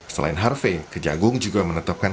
selain harvey kejagung juga menetapkan